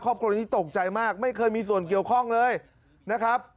ครอบครัวนี้ตกใจมากไม่เคยมีส่วนเกี่ยวข้องเลยนะครับ